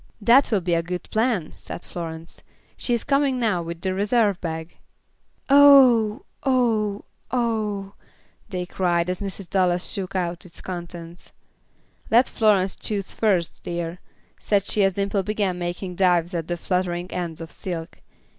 "That will be a good plan," said Florence. "She is coming now with the reserve bag." "Oh! Oh! Oh!" they cried, as Mrs. Dallas shook out its contents. "Let Florence choose first, dear," said she as Dimple began making dives at the fluttering ends of silk.